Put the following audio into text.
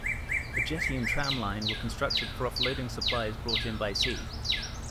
A jetty and tram line were constructed for offloading supplies brought in by sea.